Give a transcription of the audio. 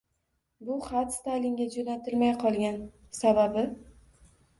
Bu xat Stalinga jo’natilmay qolgan, sababi…